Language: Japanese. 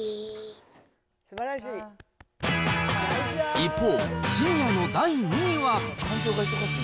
一方、シニアの第２位は。